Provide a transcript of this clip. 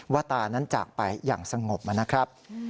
ตานั้นจากไปอย่างสงบนะครับ